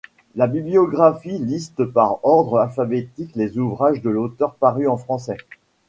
La bibliographie liste par ordre alphabétique les ouvrages de l'auteur parus en français.